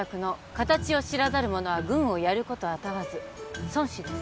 形を知らざる者は軍を行ること能わず孫子です